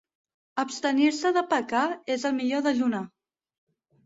Abstenir-se de pecar és el millor dejunar.